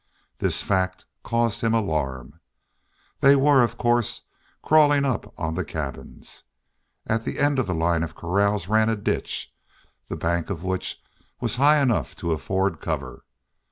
This fact caused him alarm. They were, of course, crawling up on the cabins. At the end of that line of corrals ran a ditch, the bank of which was high enough to afford cover.